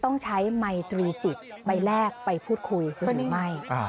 ในตรีจิตใบแรกไปพูดคุยหรือไม่